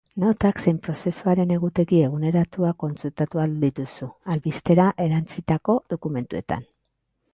Notak zein prozesuaren egutegi eguneratua kontsultatu ahal dituzu albistera erantsitako dokumentuetan.